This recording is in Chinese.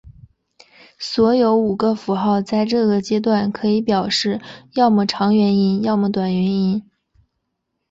所有五个符号在这个阶段可以表示要么长元音要么短元音。